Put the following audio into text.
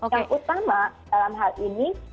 yang utama dalam hal ini